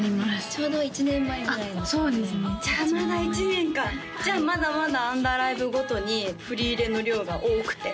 ちょうど１年前ぐらいのじゃあまだ１年かじゃあまだまだアンダーライブごとに振り入れの量が多くて？